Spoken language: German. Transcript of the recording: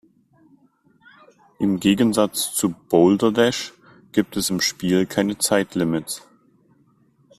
Im Gegensatz zu Boulder Dash gibt es im Spiel keine Zeitlimits.